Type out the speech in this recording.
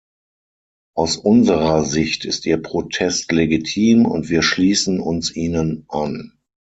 Aus unserer Sicht ist ihr Protest legitim, und wir schließen uns ihnen an.